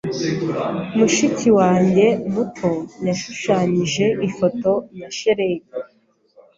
Mushiki wanjye muto yashushanyije ifoto ya shelegi.